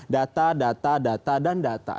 data data dan data